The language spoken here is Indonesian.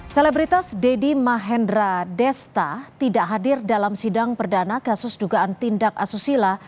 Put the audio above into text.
selebritas deddy mahendra desta tidak hadir dalam sidang perdana kasus dugaan tindak asusila